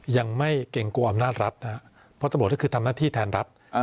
ยังไม่เกรงกลัวอำนาจรัฐนะครับเพราะตำรวจก็คือทำหน้าที่แทนรัฐ